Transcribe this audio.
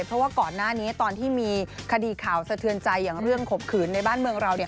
เพราะว่าก่อนหน้านี้ตอนที่มีคดีข่าวสะเทือนใจอย่างเรื่องขบขืนในบ้านเมืองเราเนี่ย